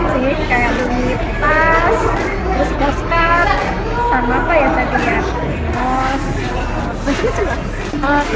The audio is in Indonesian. kalau di indonesia soalnya yang di indonesia rp satu yang di sini rp satu ya